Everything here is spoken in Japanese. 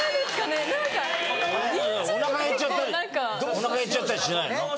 お腹へっちゃったりしないの？